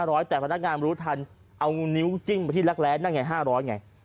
ถ้าบอกขาด๕๐๐แต่พนักงานรู้ทันเอานิ้วจิ้มไปที่รักแร้น๕๐๐ไง